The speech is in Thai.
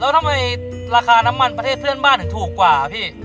แล้วทำไมราคาน้ำมันประเทศเพื่อนบ้านถึงถูกกว่าพี่